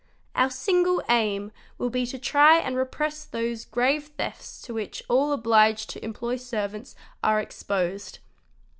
Our single im will be to try and repress those grave thefts to which all obliged to employ servants are exposed.